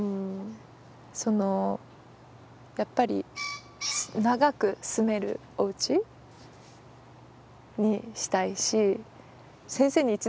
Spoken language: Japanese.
そのやっぱり長く住めるおうちにしたいし。